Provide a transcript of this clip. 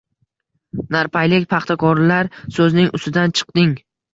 Narpaylik paxtakorlar so‘zining ustidan chiqding